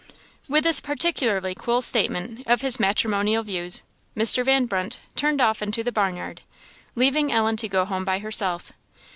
With this particularly cool statement of his matrimonial views, Mr. Van Brunt turned off into the barnyard, leaving Ellen to go home by herself.